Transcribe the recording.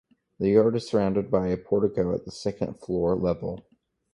The yard is surrounded by a portico at the second-floor level.